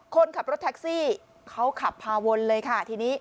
คนขับรถแท็กซี่เขาขับพาวนเลยค่ะทีนี้